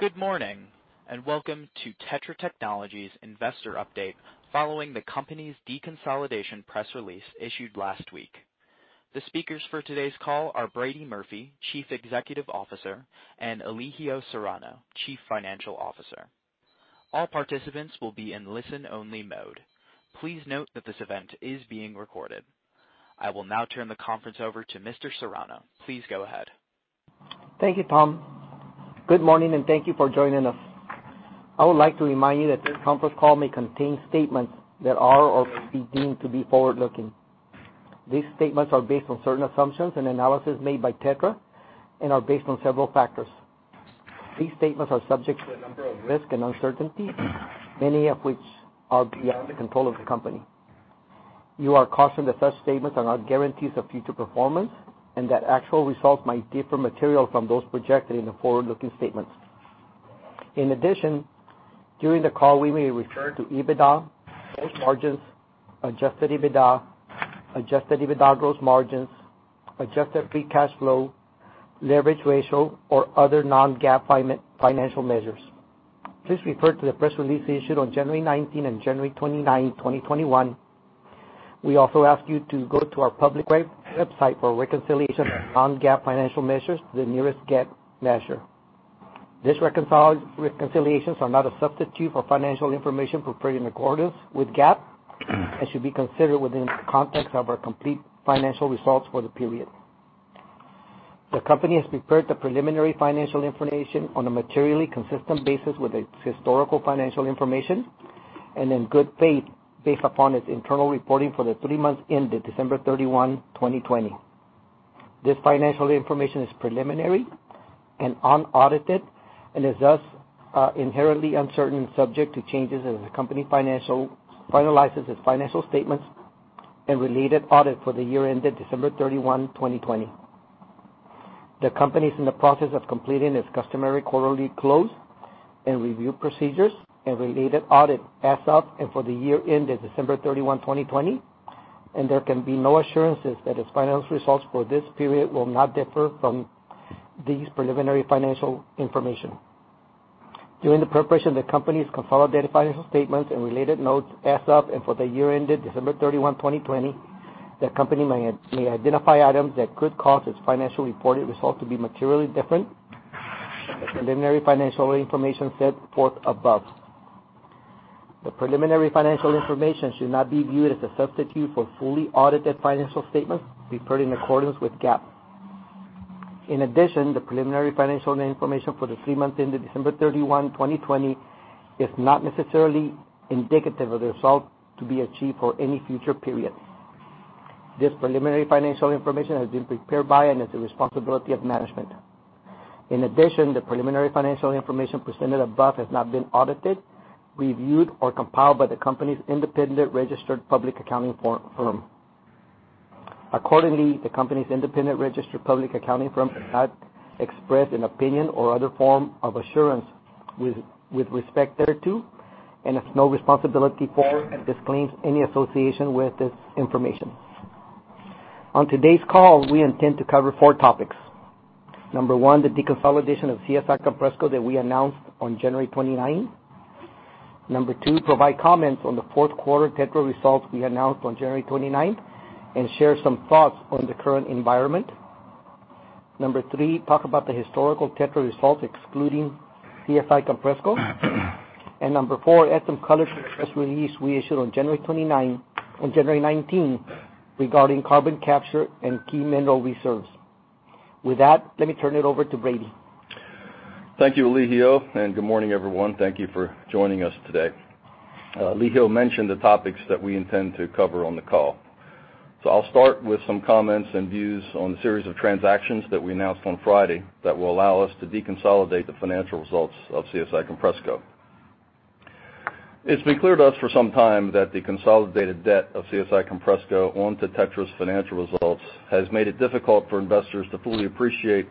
Good morning, and welcome to TETRA Technologies Investor Update following the company's deconsolidation press release issued last week. The speakers for today's call are Brady Murphy, Chief Executive Officer, and Elijio Serrano, Chief Financial Officer. All participants will be in listen-only mode. Please note that this event is being recorded. I will now turn the conference over to Mr. Serrano. Please go ahead. Thank you, Tom. Good morning, and thank you for joining us. I would like to remind you that this conference call may contain statements that are or may be deemed to be forward-looking. These statements are based on certain assumptions and analysis made by TETRA and are based on several factors. These statements are subject to a number of risks and uncertainties, many of which are beyond the control of the company. You are cautioned that such statements are not guarantees of future performance and that actual results might differ materially from those projected in the forward-looking statements. In addition, during the call, we may refer to EBITDA, gross margins, adjusted EBITDA, adjusted EBITDA gross margins, adjusted free cash flow, leverage ratio, or other non-GAAP financial measures. Please refer to the press release issued on January 19 and January 29, 2021. We also ask you to go to our public website for a reconciliation of non-GAAP financial measures to the nearest GAAP measure. These reconciliations are not a substitute for financial information prepared in accordance with GAAP and should be considered within the context of our complete financial results for the period. The company has prepared the preliminary financial information on a materially consistent basis with its historical financial information and in good faith based upon its internal reporting for the three months ended December 31, 2020. This financial information is preliminary and unaudited and is thus inherently uncertain subject to changes as the company finalizes its financial statements and related audit for the year ended December 31, 2020. The company is in the process of completing its customary quarterly close and review procedures and related audit as of and for the year ended December 31, 2020. There can be no assurances that its financial results for this period will not differ from this preliminary financial information. During the preparation of the company's consolidated financial statements and related notes as of and for the year ended December 31, 2020, the company may identify items that could cause its financially reported results to be materially different than the preliminary financial information set forth above. The preliminary financial information should not be viewed as a substitute for fully audited financial statements prepared in accordance with GAAP. In addition, the preliminary financial information for the three months ended December 31, 2020 is not necessarily indicative of the results to be achieved for any future period. This preliminary financial information has been prepared by and is the responsibility of management. In addition, the preliminary financial information presented above has not been audited, reviewed, or compiled by the company's independent registered public accounting firm. Accordingly, the company's independent registered public accounting firm has not expressed an opinion or other form of assurance with respect thereto and has no responsibility for and disclaims any association with this information. On today's call, we intend to cover four topics. Number one, the deconsolidation of CSI Compressco that we announced on January 29. Number two, provide comments on the fourth quarter TETRA results we announced on January 29th, and share some thoughts on the current environment. Number three, talk about the historical TETRA results excluding CSI Compressco. Number four, add some color to the press release we issued on January 19 regarding carbon capture and key mineral reserves. With that, let me turn it over to Brady. Thank you, Elijio, and good morning, everyone. Thank you for joining us today. Elijio mentioned the topics that we intend to cover on the call. I'll start with some comments and views on the series of transactions that we announced on Friday that will allow us to deconsolidate the financial results of CSI Compressco. It's been clear to us for some time that the consolidated debt of CSI Compressco onto TETRA's financial results has made it difficult for investors to fully appreciate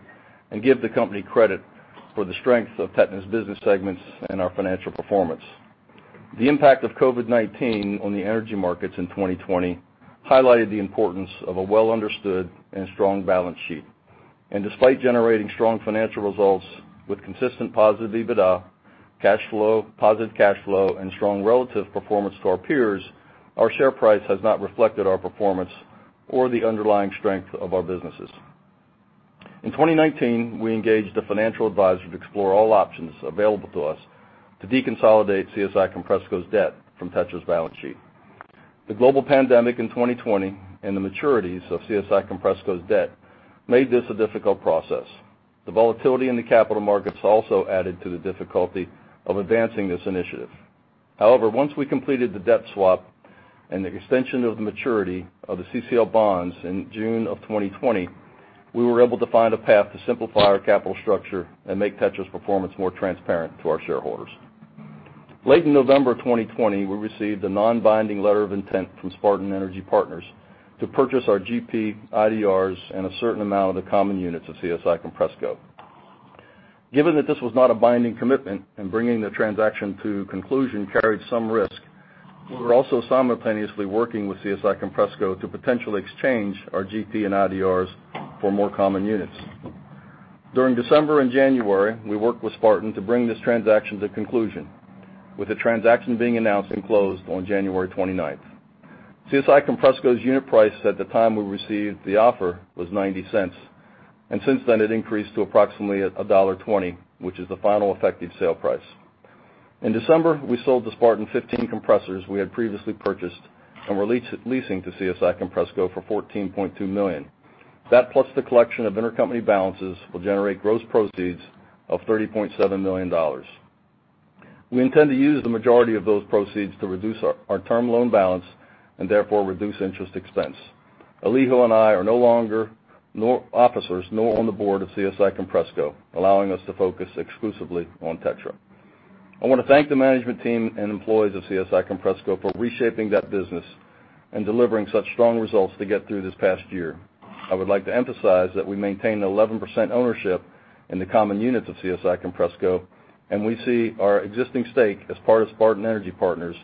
and give the company credit for the strength of TETRA's business segments and our financial performance. The impact of COVID-19 on the energy markets in 2020 highlighted the importance of a well-understood and strong balance sheet. Despite generating strong financial results with consistent positive EBITDA, positive cash flow, and strong relative performance to our peers, our share price has not reflected our performance or the underlying strength of our businesses. In 2019, we engaged a financial advisor to explore all options available to us to deconsolidate CSI Compressco's debt from TETRA's balance sheet. The global pandemic in 2020 and the maturities of CSI Compressco's debt made this a difficult process. The volatility in the capital markets also added to the difficulty of advancing this initiative. Once we completed the debt swap and the extension of the maturity of the CCL bonds in June of 2020, we were able to find a path to simplify our capital structure and make TETRA's performance more transparent to our shareholders. Late in November 2020, we received a non-binding letter of intent from Spartan Energy Partners to purchase our GP IDRs and a certain amount of the common units of CSI Compressco. Given that this was not a binding commitment and bringing the transaction to conclusion carried some risk. We're also simultaneously working with CSI Compressco to potentially exchange our GP and IDRs for more common units. During December and January, we worked with Spartan to bring this transaction to conclusion, with the transaction being announced and closed on January 29th. CSI Compressco's unit price at the time we received the offer was $0.90, and since then, it increased to approximately $1.20, which is the final effective sale price. In December, we sold to Spartan 15 compressors we had previously purchased and were leasing to CSI Compressco for $14.2 million. That, plus the collection of intercompany balances, will generate gross proceeds of $30.7 million. We intend to use the majority of those proceeds to reduce our term loan balance and therefore reduce interest expense. Elijio and I are no longer nor officers nor on the board of CSI Compressco, allowing us to focus exclusively on TETRA. I want to thank the management team and employees of CSI Compressco for reshaping that business and delivering such strong results to get through this past year. I would like to emphasize that we maintain 11% ownership in the common units of CSI Compressco, and we see our existing stake as part of Spartan Energy Partners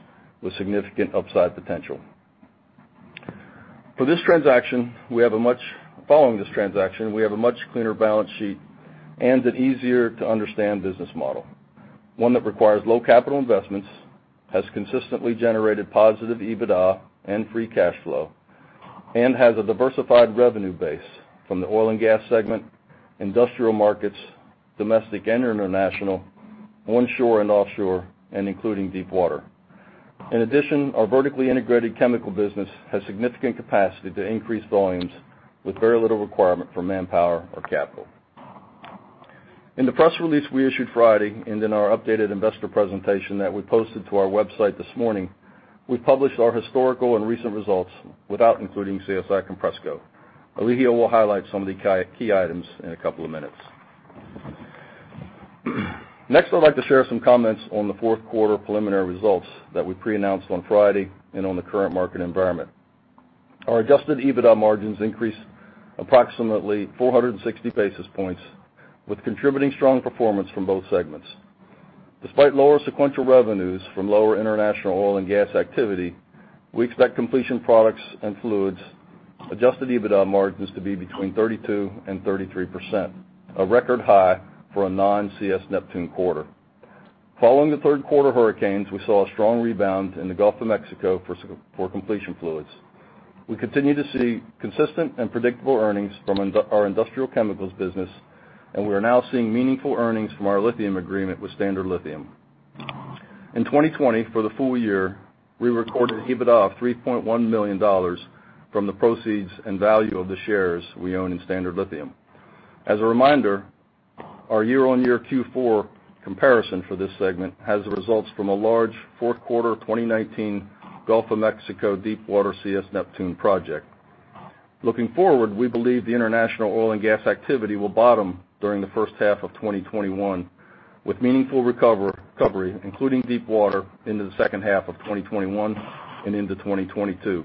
with significant upside potential. Following this transaction, we have a much cleaner balance sheet and an easier-to-understand business model, one that requires low capital investments, has consistently generated positive EBITDA and free cash flow, and has a diversified revenue base from the oil and gas segment, industrial markets, domestic and international, onshore and offshore, and including deep water. In addition, our vertically integrated chemical business has significant capacity to increase volumes with very little requirement for manpower or capital. In the press release we issued Friday and in our updated investor presentation that we posted to our website this morning, we published our historical and recent results without including CSI Compressco. Elijio will highlight some of the key items in a couple of minutes. I'd like to share some comments on the fourth quarter preliminary results that we pre-announced on Friday and on the current market environment. Our adjusted EBITDA margins increased approximately 460 basis points with contributing strong performance from both segments. Despite lower sequential revenues from lower international oil and gas activity, we expect Completion Fluids & Products adjusted EBITDA margins to be between 32% and 33%, a record high for a non-CS Neptune quarter. Following the third quarter hurricanes, we saw a strong rebound in the Gulf of Mexico for completion fluids. We continue to see consistent and predictable earnings from our industrial chemicals business, and we are now seeing meaningful earnings from our lithium agreement with Standard Lithium. In 2020, for the full year, we recorded EBITDA of $3.1 million from the proceeds and value of the shares we own in Standard Lithium. As a reminder, our year-on-year Q4 comparison for this segment has the results from a large fourth quarter 2019 Gulf of Mexico deepwater CS Neptune project. Looking forward, we believe the international oil and gas activity will bottom during the first half of 2021, with meaningful recovery, including deepwater, into the second half of 2021 and into 2022.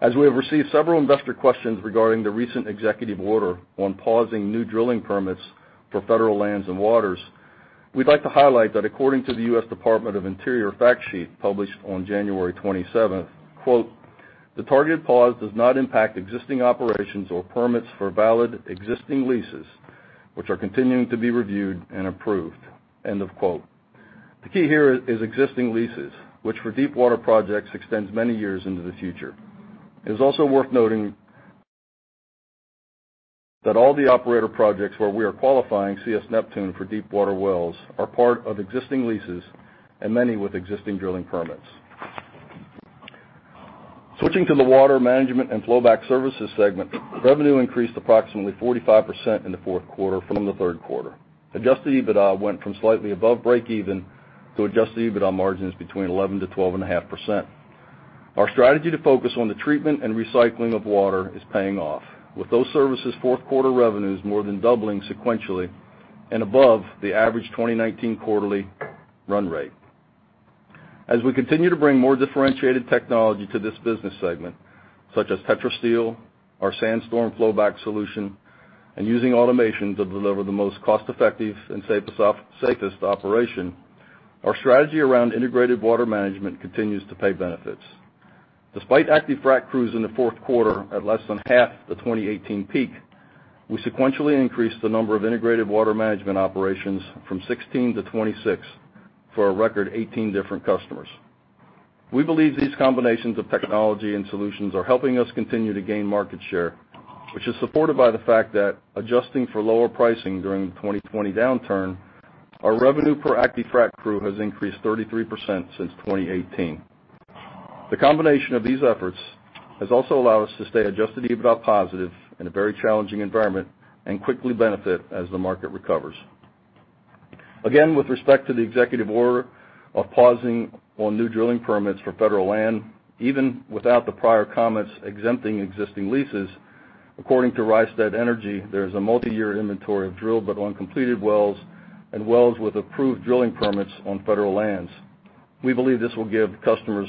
As we have received several investor questions regarding the recent executive order on pausing new drilling permits for federal lands and waters, we'd like to highlight that according to the U.S. Department of Interior fact sheet published on January 27th, quote, "The targeted pause does not impact existing operations or permits for valid existing leases, which are continuing to be reviewed and approved." End of quote. The key here is existing leases, which for deepwater projects extends many years into the future. It is also worth noting that all the operator projects where we are qualifying CS Neptune for deepwater wells are part of existing leases and many with existing drilling permits. Switching to the Water Management and Flowback Services segment, revenue increased approximately 45% in the fourth quarter from the third quarter. Adjusted EBITDA went from slightly above break even to adjusted EBITDA margins between 11%-12.5%. Our strategy to focus on the treatment and recycling of water is paying off, with those services' fourth quarter revenues more than doubling sequentially and above the average 2019 quarterly run rate. As we continue to bring more differentiated technology to this business segment, such as TETRA Steel, our SandStorm flowback solution, and using automation to deliver the most cost-effective and safest operation, our strategy around integrated water management continues to pay benefits. Despite active frac crews in the fourth quarter at less than half the 2018 peak, we sequentially increased the number of integrated water management operations from 16-26 for a record 18 different customers. We believe these combinations of technology and solutions are helping us continue to gain market share, which is supported by the fact that adjusting for lower pricing during the 2020 downturn, our revenue per active frac crew has increased 33% since 2018. The combination of these efforts has also allowed us to stay adjusted EBITDA positive in a very challenging environment and quickly benefit as the market recovers. Again, with respect to the executive order of pausing on new drilling permits for federal land, even without the prior comments exempting existing leases, according to Rystad Energy, there is a multiyear inventory of drilled but uncompleted wells and wells with approved drilling permits on federal lands. We believe this will give customers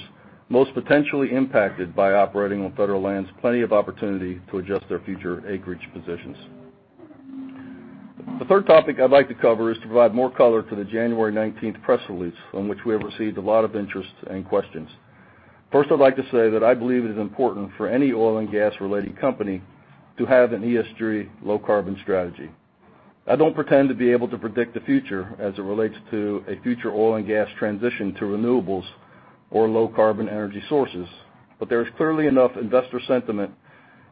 most potentially impacted by operating on federal lands plenty of opportunity to adjust their future acreage positions. The third topic I'd like to cover is to provide more color to the January 19th press release, on which we have received a lot of interest and questions. First, I'd like to say that I believe it is important for any oil and gas related company to have an ESG low carbon strategy. I don't pretend to be able to predict the future as it relates to a future oil and gas transition to renewables or low carbon energy sources, but there is clearly enough investor sentiment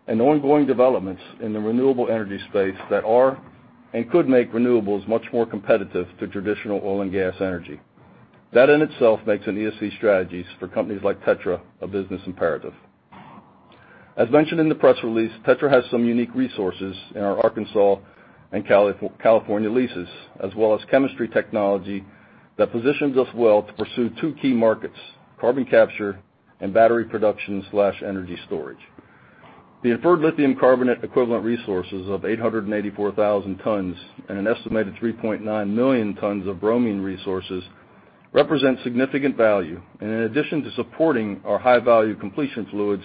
and ongoing developments in the renewable energy space that are, and could make renewables much more competitive to traditional oil and gas energy. That in itself makes an ESG strategies for companies like TETRA a business imperative. As mentioned in the press release, TETRA has some unique resources in our Arkansas and California leases, as well as chemistry technology that positions us well to pursue two key markets, carbon capture and battery production/energy storage. The inferred lithium carbonate equivalent resources of 884,000 tons and an estimated 3.9 million tons of bromine resources represent significant value. In addition to supporting our high value completion fluids,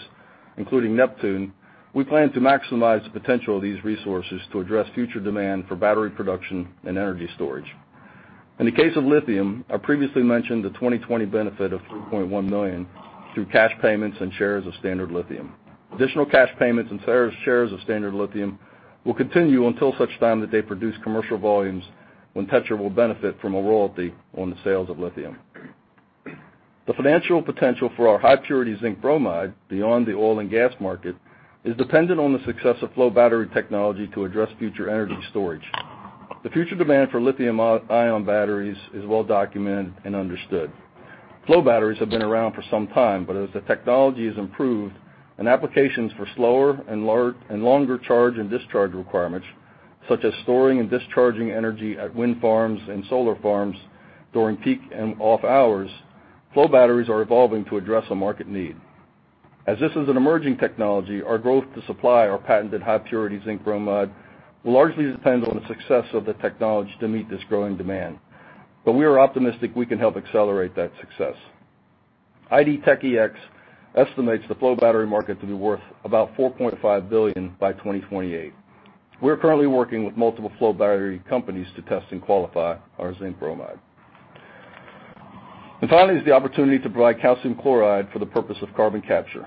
including Neptune, we plan to maximize the potential of these resources to address future demand for battery production and energy storage. In the case of lithium, I previously mentioned the 2020 benefit of $3.1 million through cash payments and shares of Standard Lithium. Additional cash payments and shares of Standard Lithium will continue until such time that they produce commercial volumes, when TETRA will benefit from a royalty on the sales of lithium. The financial potential for our high purity zinc bromide beyond the oil and gas market is dependent on the success of flow battery technology to address future energy storage. The future demand for lithium-ion batteries is well documented and understood. Flow batteries have been around for some time, but as the technology has improved and applications for slower and longer charge and discharge requirements, such as storing and discharging energy at wind farms and solar farms during peak and off hours, flow batteries are evolving to address a market need. As this is an emerging technology, our growth to supply our patented high purity zinc bromide will largely depend on the success of the technology to meet this growing demand. We are optimistic we can help accelerate that success. IDTechEx estimates the flow battery market to be worth about $4.5 billion by 2028. We're currently working with multiple flow battery companies to test and qualify our zinc bromide. Finally, is the opportunity to provide calcium chloride for the purpose of carbon capture.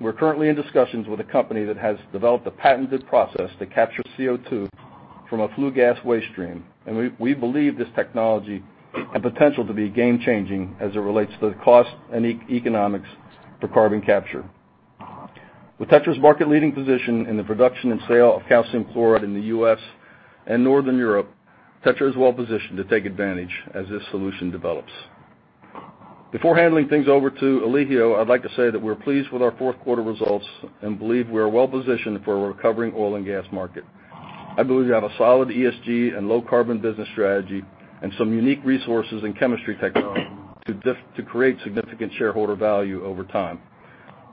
We're currently in discussions with a company that has developed a patented process to capture CO2 from a flue gas waste stream. We believe this technology has potential to be game changing as it relates to the cost and economics for carbon capture. With TETRA's market leading position in the production and sale of calcium chloride in the U.S. and Northern Europe, TETRA is well positioned to take advantage as this solution develops. Before handing things over to Elijio, I'd like to say that we're pleased with our fourth quarter results and believe we are well positioned for a recovering oil and gas market. I believe we have a solid ESG and low carbon business strategy and some unique resources in chemistry technology to create significant shareholder value over time.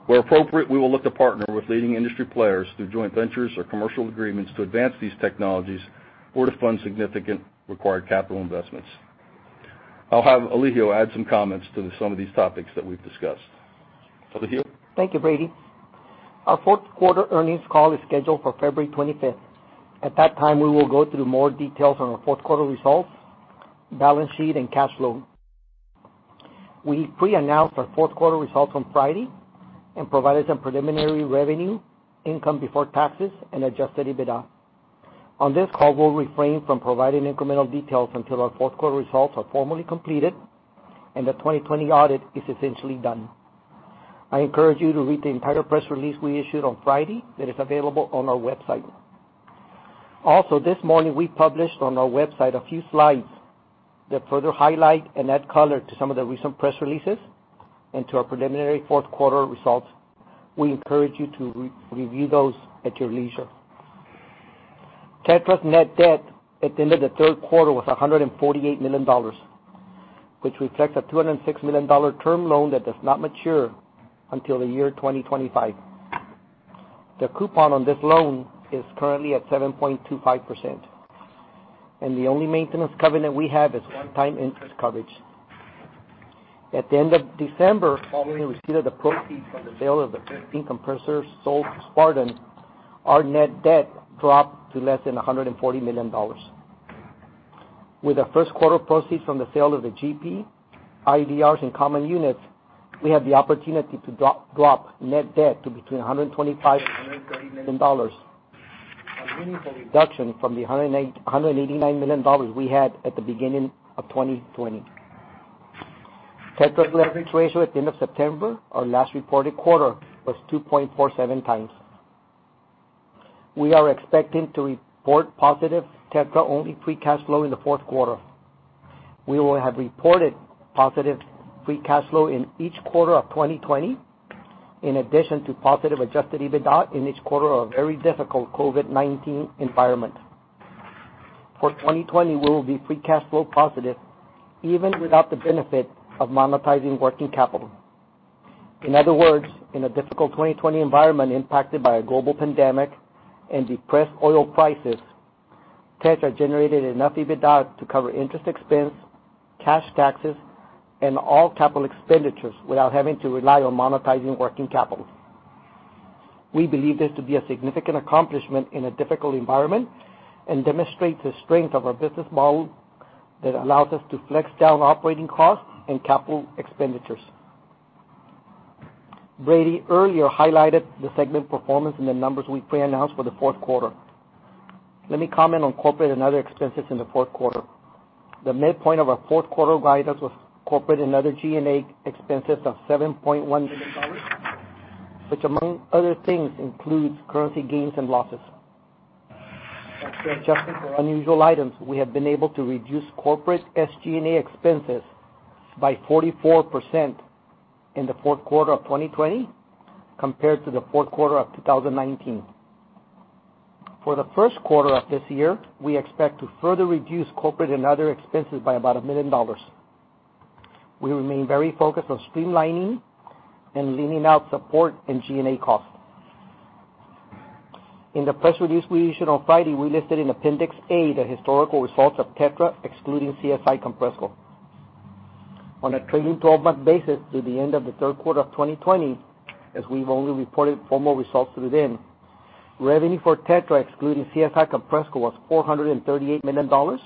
Where appropriate, we will look to partner with leading industry players through joint ventures or commercial agreements to advance these technologies or to fund significant required capital investments. I'll have Elijio add some comments to some of these topics that we've discussed. Elijio? Thank you, Brady. Our fourth quarter earnings call is scheduled for February 25th. At that time, we will go through more details on our fourth quarter results, balance sheet, and cash flow. We pre-announced our fourth quarter results on Friday and provided some preliminary revenue, income before taxes and adjusted EBITDA. On this call, we'll refrain from providing incremental details until our fourth quarter results are formally completed and the 2020 audit is essentially done. I encourage you to read the entire press release we issued on Friday that is available on our website. Also, this morning, we published on our website a few slides that further highlight and add color to some of the recent press releases and to our preliminary fourth quarter results. We encourage you to review those at your leisure. TETRA's net debt at the end of the third quarter was $148 million, which reflects a $206 million term loan that does not mature until the year 2025. The coupon on this loan is currently at 7.25%. The only maintenance covenant we have is one time interest coverage. At the end of December, following receipt of the proceeds from the sale of the 15 compressors sold to Spartan, our net debt dropped to less than $140 million. With the first quarter proceeds from the sale of the GP, IDRs and common units, we have the opportunity to drop net debt to between $125 million and $130 million, a meaningful reduction from the $189 million we had at the beginning of 2020. TETRA's leverage ratio at the end of September, our last reported quarter, was 2.47x. We are expecting to report positive TETRA-only free cash flow in the fourth quarter. We will have reported positive free cash flow in each quarter of 2020, in addition to positive adjusted EBITDA in each quarter of a very difficult COVID-19 environment. For 2020, we will be free cash flow positive even without the benefit of monetizing working capital. In other words, in a difficult 2020 environment impacted by a global pandemic and depressed oil prices, TETRA generated enough EBITDA to cover interest expense, cash taxes, and all capital expenditures without having to rely on monetizing working capital. We believe this to be a significant accomplishment in a difficult environment and demonstrates the strength of our business model that allows us to flex down operating costs and capital expenditures. Brady earlier highlighted the segment performance and the numbers we pre-announced for the fourth quarter. Let me comment on corporate and other expenses in the fourth quarter. The midpoint of our fourth quarter guidance was corporate and other G&A expenses of $7.1 million, which among other things, includes currency gains and losses. After adjusting for unusual items, we have been able to reduce corporate SG&A expenses by 44% in the fourth quarter of 2020 compared to the fourth quarter of 2019. For the first quarter of this year, we expect to further reduce corporate and other expenses by about $1 million. We remain very focused on streamlining and leaning out support and G&A costs. In the press release we issued on Friday, we listed in Appendix A the historical results of TETRA, excluding CSI Compressco. On a trailing 12-month basis through the end of the third quarter of 2020, as we've only reported formal results through then, revenue for TETRA, excluding CSI Compressco, was $438 million,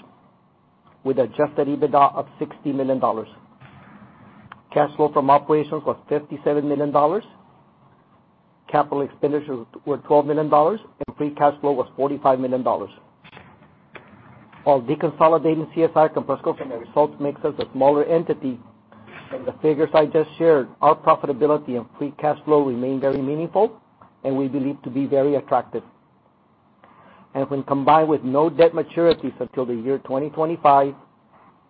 with adjusted EBITDA of $60 million. Cash flow from operations was $57 million. Capital expenditures were $12 million, and free cash flow was $45 million. While deconsolidating CSI Compressco from the results makes us a smaller entity, from the figures I just shared, our profitability and free cash flow remain very meaningful and we believe to be very attractive. When combined with no debt maturities until the year 2025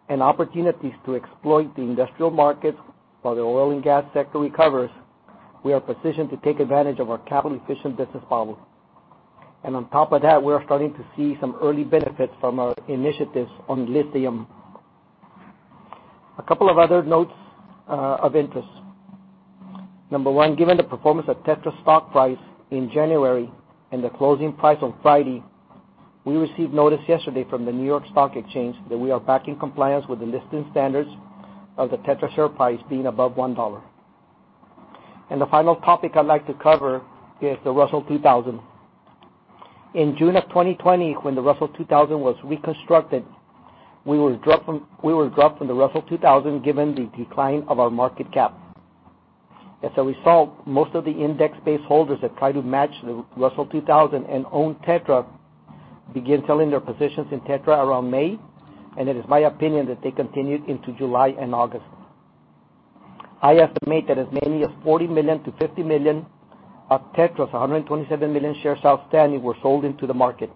and opportunities to exploit the industrial markets while the oil and gas sector recovers, we are positioned to take advantage of our capital-efficient business model. On top of that, we are starting to see some early benefits from our initiatives on lithium. A couple of other notes of interest. Number one, given the performance of TETRA stock price in January and the closing price on Friday, we received notice yesterday from the New York Stock Exchange that we are back in compliance with the listing standards of the TETRA share price being above $1. The final topic I'd like to cover is the Russell 2000. In June of 2020, when the Russell 2000 was reconstructed, we were dropped from the Russell 2000, given the decline of our market cap. As a result, most of the index-based holders that try to match the Russell 2000 and own TETRA began selling their positions in TETRA around May, and it is my opinion that they continued into July and August. I estimate that as many as 40 million-50 million of TETRA's 127 million shares outstanding were sold into the market.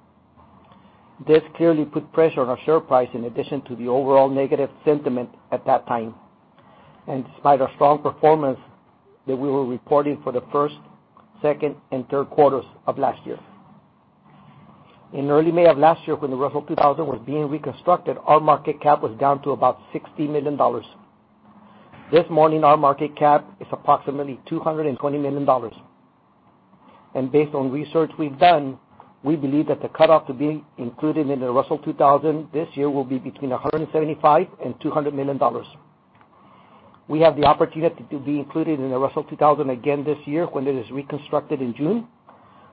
This clearly put pressure on our share price in addition to the overall negative sentiment at that time, and despite our strong performance that we were reporting for the first, second, and third quarters of last year. In early May of last year, when the Russell 2000 was being reconstructed, our market cap was down to about $60 million. This morning, our market cap is approximately $220 million. Based on research we've done, we believe that the cutoff to be included in the Russell 2000 this year will be between $175 million and $200 million. We have the opportunity to be included in the Russell 2000 again this year when it is reconstructed in June,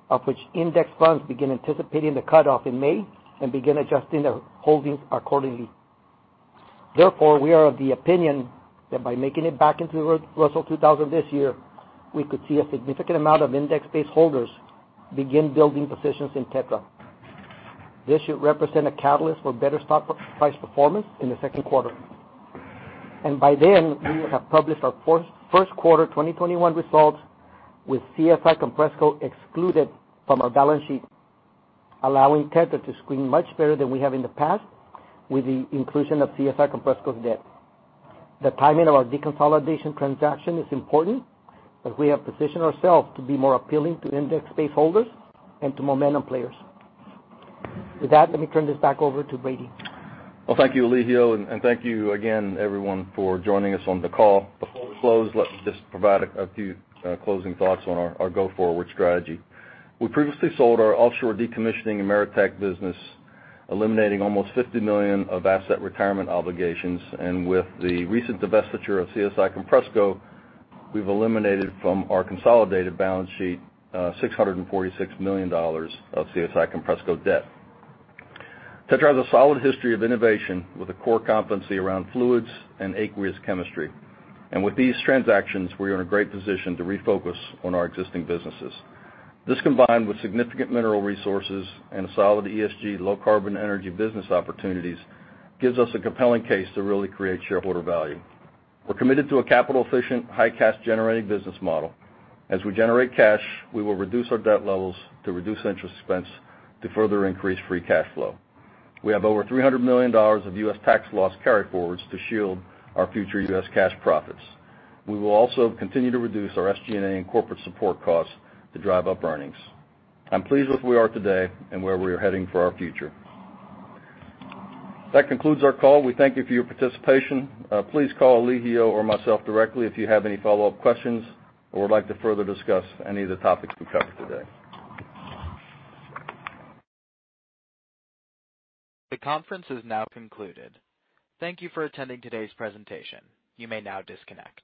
of which index funds begin anticipating the cutoff in May and begin adjusting their holdings accordingly. We are of the opinion that by making it back into the Russell 2000 this year, we could see a significant amount of index-based holders begin building positions in TETRA. This should represent a catalyst for better stock price performance in the second quarter. By then, we will have published our first quarter 2021 results with CSI Compressco excluded from our balance sheet, allowing TETRA to screen much better than we have in the past with the inclusion of CSI Compressco's debt. The timing of our deconsolidation transaction is important, as we have positioned ourselves to be more appealing to index-based holders and to momentum players. With that, let me turn this back over to Brady. Thank you, Elijio, and thank you again, everyone, for joining us on the call. Before we close, let me just provide a few closing thoughts on our go-forward strategy. We previously sold our offshore decommissioning Maritech business, eliminating almost $50 million of asset retirement obligations, and with the recent divestiture of CSI Compressco, we've eliminated from our consolidated balance sheet $646 million of CSI Compressco debt. TETRA has a solid history of innovation with a core competency around fluids and aqueous chemistry. With these transactions, we are in a great position to refocus on our existing businesses. This, combined with significant mineral resources and a solid ESG low-carbon energy business opportunities, gives us a compelling case to really create shareholder value. We're committed to a capital-efficient, high cash generating business model. As we generate cash, we will reduce our debt levels to reduce interest expense to further increase free cash flow. We have over $300 million of U.S. tax loss carryforwards to shield our future U.S. cash profits. We will also continue to reduce our SG&A and corporate support costs to drive up earnings. I'm pleased with where we are today and where we are heading for our future. That concludes our call. We thank you for your participation. Please call Elijio or myself directly if you have any follow-up questions or would like to further discuss any of the topics we covered today. The conference is now concluded. Thank you for attending today's presentation. You may now disconnect.